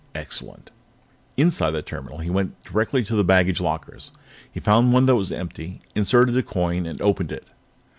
Excellent! Inside the terminal, he went directly to the baggage lockers. He found one that was empty, inserted a coin, and opened it.